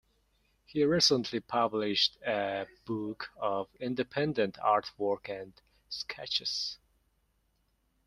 He recently published a book of independent artwork and sketches.